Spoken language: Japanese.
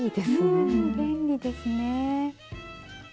うん便利ですね。